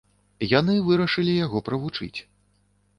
Яны вырашылі яго правучыць.